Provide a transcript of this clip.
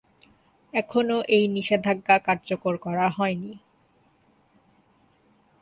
এখনও এই নিষেধাজ্ঞা কার্যকর করা হয়নি।